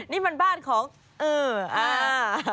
นี่มันบ้านของเอออ่า